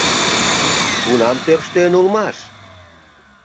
— Кунам тӧрштен улмаш?